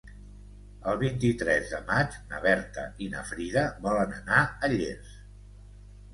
El vint-i-tres de maig na Berta i na Frida volen anar a Llers.